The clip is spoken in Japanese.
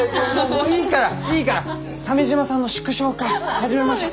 もういいからいいから鮫島さんの祝勝会始めましょう。